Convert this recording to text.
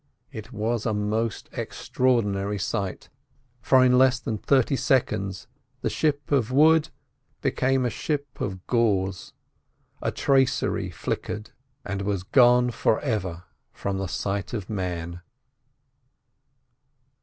It was a most extraordinary sight, for in less than thirty seconds the ship of wood became a ship of gauze, a tracery—flickered, and was gone forever from the sight of man.